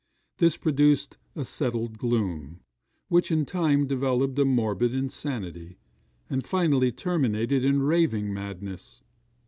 This produced a settled gloom, which in time developed a morbid insanity, and finally terminated in raving madness.